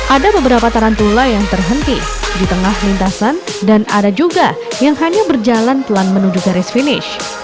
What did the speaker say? ada beberapa tarantula yang terhenti di tengah lintasan dan ada juga yang hanya berjalan pelan menuju garis finish